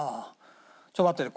ちょっと待ってね。